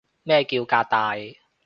咩叫革大